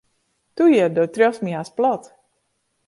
Toe ju, do triuwst my hast plat.